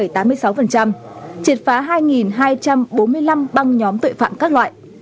triệt phá hai hai trăm bốn mươi năm băng nhóm tội phạm các loại